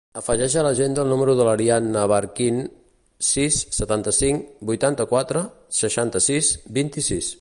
Afegeix a l'agenda el número de l'Arianna Barquin: sis, setanta-cinc, vuitanta-quatre, seixanta-sis, vint-i-sis.